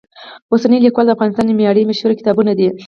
اوسنی لیکوال، د افغانستان نومیالي یې مشهور کتابونه دي.